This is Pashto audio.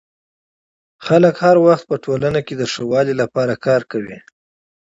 خلک هر وخت په ټولنه کي د ښه والي لپاره کار کوي.